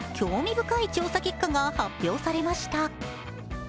深い調査結果が発表されました。